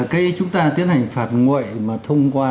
khi chúng ta tiến hành phạt nguội mà thông qua